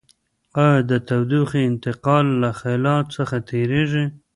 آیا د تودوخې انتقال له خلاء څخه تیریږي؟